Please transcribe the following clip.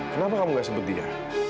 kenapa kamu gak sebut dia